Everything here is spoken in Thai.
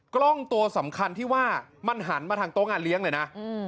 กล้องตัวสำคัญที่ว่ามันหันมาทางโต๊ะงานเลี้ยงเลยนะ